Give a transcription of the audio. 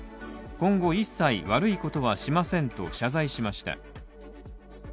今後一切悪いことはしませんと謝罪しました。